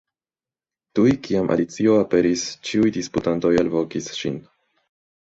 Tuj kiam Alicio aperis, ĉiuj disputantoj alvokis ŝin.